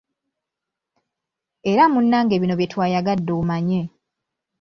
Era munnange bino bye twayagadde omanye.